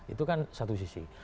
itu kan satu sisi